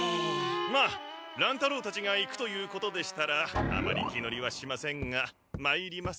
まあ乱太郎たちが行くということでしたらあまり気乗りはしませんがまいります。